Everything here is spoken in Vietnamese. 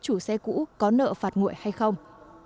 chủ xe cũ có nợ phạt nguội hay không